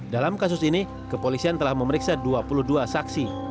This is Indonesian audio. dalam kasus ini kepolisian telah memeriksa dua puluh dua saksi